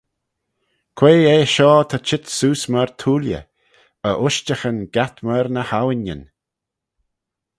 Quoi eh shoh ta cheet seose myr thooilley, e ushtaghyn gatt myr ny hawinyn?